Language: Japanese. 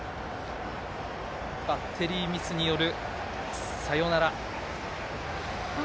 バッテリーミスによるサヨナラ。